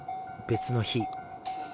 別の日。